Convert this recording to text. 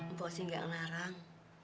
mpok sih gak ngarang